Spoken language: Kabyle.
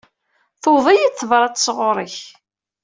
Tewweḍ-iyi-d tebrat sɣuṛ-k.